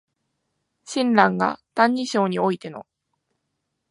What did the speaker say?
親鸞が「歎異抄」においての